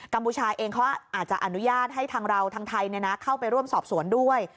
พูชาเองเขาอาจจะอนุญาตให้ทางเราทางไทยเข้าไปร่วมสอบสวนด้วย